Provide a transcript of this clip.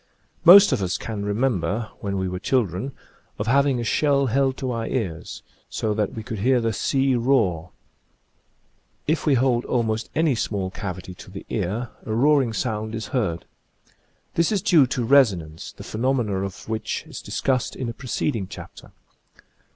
Most of us can remember, when we were chil dren, of having a shell held to our ears, so that we could hear the "sea roar." If we hold almost any small cavity to the ear a roaring sound is heard. This is due to reso nance, the phenomena of which is discussed in a preceding chapter.